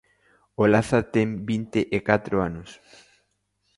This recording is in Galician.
Olaza ten vinte e catro anos.